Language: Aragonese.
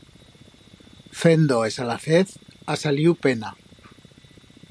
Fendo es alacez ha saliu pena.